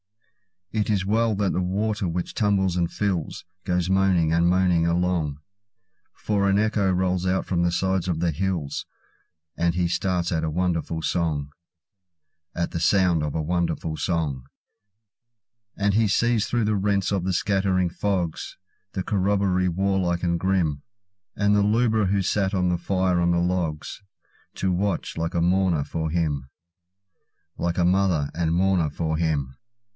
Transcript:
It is well that the water which tumbles and fills, Goes moaning and moaning along; For an echo rolls out from the sides of the hills, And he starts at a wonderful song—At the sounds of a wonderful song. And he sees through the rents of the scattering fogs, The corroboree warlike and grim, And the lubra who sat by the fire on the logs, To watch, like a mourner, for him—Like a mother and mourner for him.